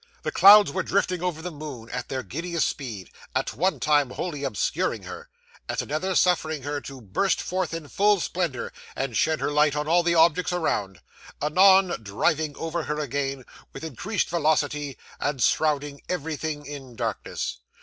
The clouds were drifting over the moon at their giddiest speed; at one time wholly obscuring her; at another, suffering her to burst forth in full splendour and shed her light on all the objects around; anon, driving over her again, with increased velocity, and shrouding everything in darkness.